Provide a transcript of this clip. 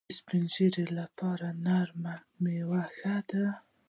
د سپین ږیرو لپاره نرمې میوې ښې دي.